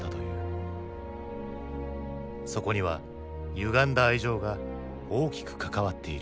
そこにはゆがんだ愛情が大きく関わっている。